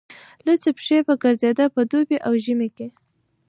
لوڅې پښې به ګرځېد په دوبي او ژمي کې.